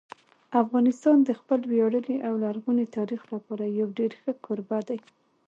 افغانستان د خپل ویاړلي او لرغوني تاریخ لپاره یو ډېر ښه کوربه دی.